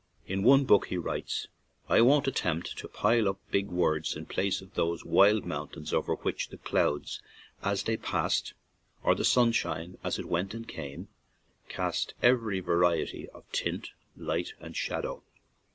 In one book he writes: "I won't attempt to pile up big words in place of those wild moun tains over which the clouds as they passed, or the sunshine as it went and came, cast every variety of tint, light, and shadow.